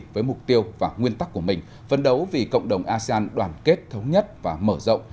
với mục tiêu và nguyên tắc của mình phân đấu vì cộng đồng asean đoàn kết thống nhất và mở rộng